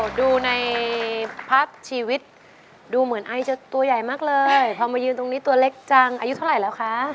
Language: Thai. ดูในภาพชีวิตดูเหมือนไอจะตัวใหญ่มากเลยพอมายืนตรงนี้ตัวเล็กจังอายุเท่าไหร่แล้วคะ